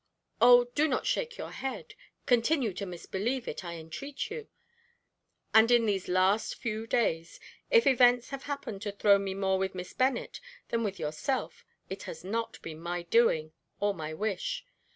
Oh, do not shake your head, continue to misbelieve it, I entreat you. And in these last few days, if events have happened to throw me more with Miss Bennet than with yourself, it has not been my doing, or my wish.